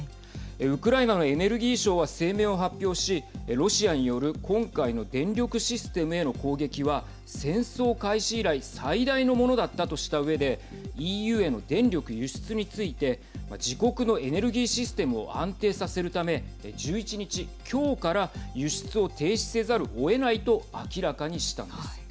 ウクライナのエネルギー相は声明を発表しロシアによる今回の電力システムへの攻撃は戦争開始以来最大のものだったとしたうえでＥＵへの電力輸出について自国のエネルギーシステムを安定させるため１１日、今日から輸出を停止せざるをえないと明らかにしたんです。